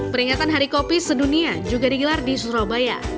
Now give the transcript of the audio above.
peringatan hari kopi sedunia juga digelar di surabaya